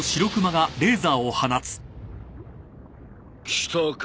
来たか？